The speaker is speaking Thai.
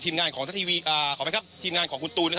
ที่ได้เข้าพูดกับทีมงานของคุณตูน